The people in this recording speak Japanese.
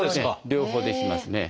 両方できますね。